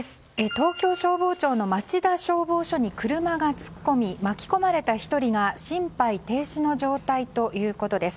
東京消防庁の町田消防署に車が突っ込み巻き込まれた１人が心肺停止の状態ということです。